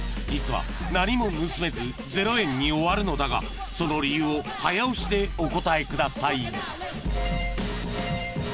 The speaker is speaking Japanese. ［実は何も盗めず０円に終わるのだがその理由を早押しでお答えください］